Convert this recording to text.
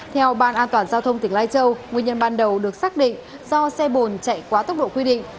theo ban an toàn giao thông tỉnh lai châu nguyên nhân ban đầu được xác định do xe bồn chạy quá tốc độ quy định